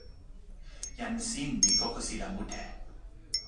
jan sin li kokosila mute.